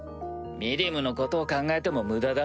ミリムのことを考えても無駄だ。